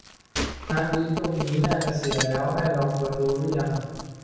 ฮาร์ดดิสก์ลูกนี้น่าจะเสียแล้ว ได้ลองเปิดดูรึยัง